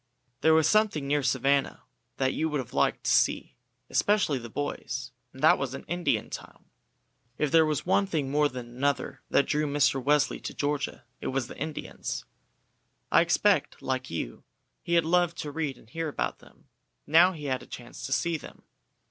There was something near Savannah that you would have liked to see, especially the boys, and that was an Indian town. If there was one thing more than another that drew Mr. Wesley to Georgia it was the Indians. I expect, like you, he had loved to read and hear about them; now he had a chance to see them.